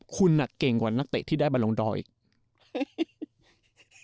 คุณอ่ะเก่งกว่านักเตะที่ได้บันลงดรออีก